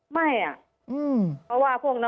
มันเป็นแบบที่สุดท้าย